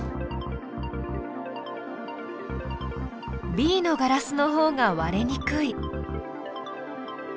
Ｂのガラスのほうが割れにくい。